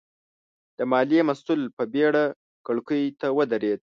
د ماليې مسوول په بېړه کړکۍ ته ودرېد.